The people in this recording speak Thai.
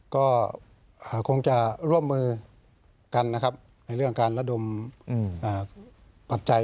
ก็คงจะร่วมมือกันนะครับในเรื่องการระดมปัจจัย